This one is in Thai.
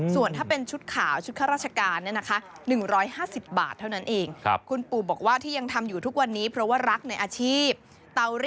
ส่วนถ้าเป็นชุดขาวชุดข้าราชการ